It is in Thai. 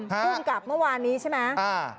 ภูมิกับเมื่อวานนี้ใช่ไหม